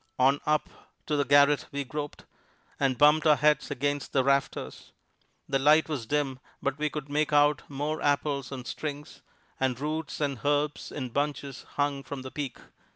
On up to the garret we groped, and bumped our heads against the rafters. The light was dim, but we could make out more apples on strings, and roots and herbs in bunches hung from the peak.